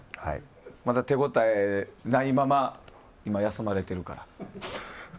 まだ手応えないまま、今休まれてるから。